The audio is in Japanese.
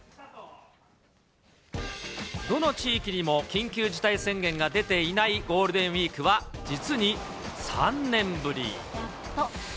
どの地域にも緊急事態宣言が出ていないゴールデンウィークは、実に３年ぶり。